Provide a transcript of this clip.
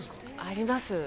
あります。